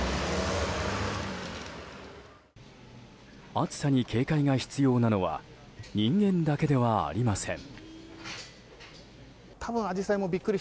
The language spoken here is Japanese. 暑さに警戒が必要なのは人間だけではありません。